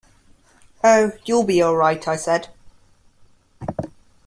"Oh, you'll be all right," I said.